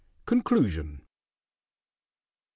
XVI CONCLUSION MR.